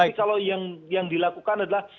tapi kalau yang dilakukan adalah